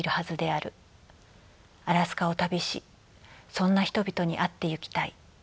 アラスカを旅しそんな人々に会ってゆきたい。